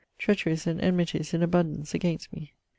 Treacheries and enmities in abundance against me.